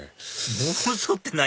妄想って何？